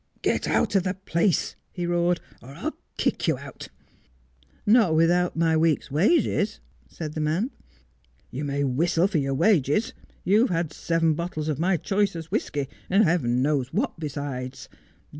' Get out of the place,' he roared, ' or I'll kick you out.' ' Not without my week's wages,' said the man. ' You may whistle for your wages. You've had seven bottles of my choicest whisky, and Heaven knows what besides.